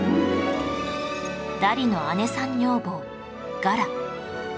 ダリの姉さん女房ガラ